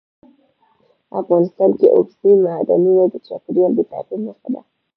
افغانستان کې اوبزین معدنونه د چاپېریال د تغیر نښه ده.